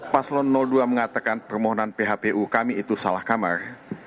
paslon dua mengatakan permohonan phpu kami itu salah kamar